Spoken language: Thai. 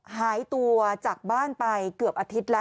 หายตัวจากบ้านไปเกือบอาทิตย์แล้ว